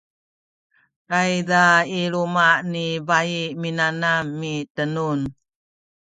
tayza i luma’ ni bai minanam mitenun